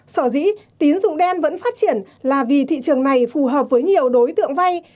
sở dĩ tín dụng đen vẫn phát triển là vì thị trường này phù hợp với nhiều đối tượng vay